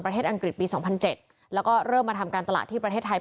ประเทศอังกฤษปีสองพันเจ็ดแล้วก็เริ่มมาทำการตลาดที่ประเทศไทย